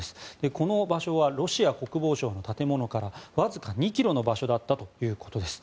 この場所はロシア国防省の建物からわずか２ｋｍの場所だったということです。